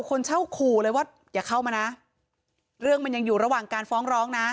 คนเช่าขู่เลยว่าอย่าเข้ามานะเรื่องมันยังอยู่ระหว่างการฟ้องร้องนะ